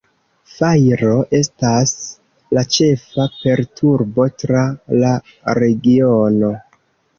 Fajro estas la ĉefa perturbo tra la regiono.